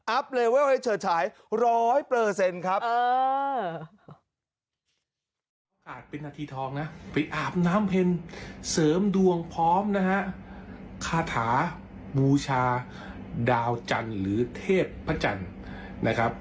อัพเลเวลให้เฉิดฉายร้อยเปอร์เซ็นต์ครับ